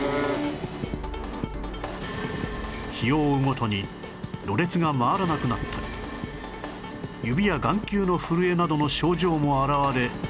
日を追うごとにろれつが回らなくなったり指や眼球の震えなどの症状も現れ